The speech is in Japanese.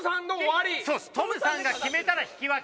トムさんが決めたら引き分け。